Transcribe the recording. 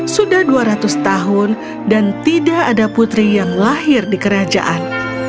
sudah dua ratus tahun dan tidak ada putri yang lahir di kerajaan